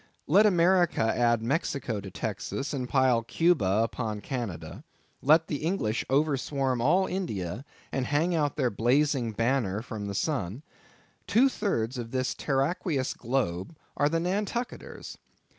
Let America add Mexico to Texas, and pile Cuba upon Canada; let the English overswarm all India, and hang out their blazing banner from the sun; two thirds of this terraqueous globe are the Nantucketer's.